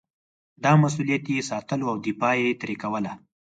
دا مسووليت یې ساتلو او دفاع یې ترې کوله.